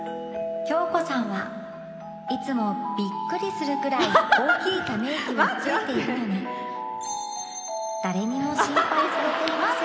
「京子さんはいつもびっくりするぐらい大きいため息をついているのに誰にも心配されていません」